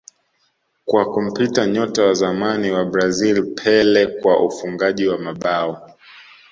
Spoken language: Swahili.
kwa kumpita nyota wa zamani wa Brazil Pele kwa ufungaji wa mabao